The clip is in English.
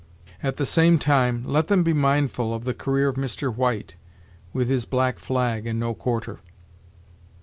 At the same time, let them be mindful of the career of Mr. White, with his black flag and no quarter.